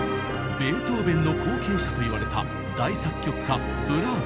ベートーベンの後継者といわれた大作曲家ブラームス。